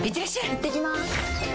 いってきます！